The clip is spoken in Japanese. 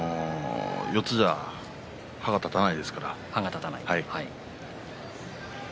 四つじゃ歯が立たないですから。